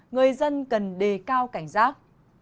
người dân cần đề cao cảnh giác